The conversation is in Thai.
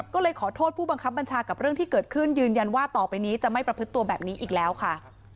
ก็เลยขอโทษผู้บังคับบัญชากับเรื่องที่เกิดขึ้นยืนยันว่าต่อไปนี้จะไม่ประพฤติตัวแบบนี้อีกแล้วค่ะ